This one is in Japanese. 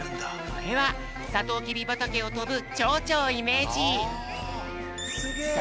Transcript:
これはさとうきびばたけをとぶチョウチョをイメージ！